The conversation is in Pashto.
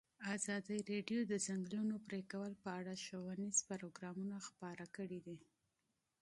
ازادي راډیو د د ځنګلونو پرېکول په اړه ښوونیز پروګرامونه خپاره کړي.